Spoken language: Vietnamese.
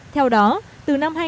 theo đó từ năm hai nghìn hai mươi